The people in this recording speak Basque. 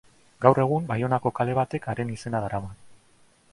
Gaur egun Baionako kale batek haren izena darama.